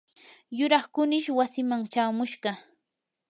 yuraq kunish wasiiman chamushqa.